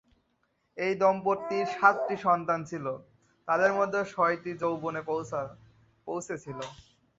এই দম্পতির সাতটি সন্তান ছিল, তাদের মধ্যে ছয়টি যৌবনে পৌঁছেছিল।